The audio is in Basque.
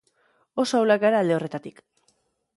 Oso ahulak gara alde horretatik.